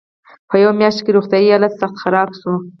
په یوه میاشت کې یې روغتیایي حالت سخت خراب شو.